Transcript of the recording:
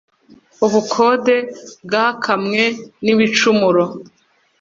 Ubukode bwokamwe n’ ibicumuro.